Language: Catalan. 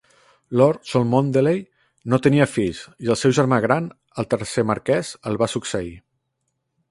Lord Cholmondeley no tenia fills i el seu germà gran, el tercer marquès, el va succeir.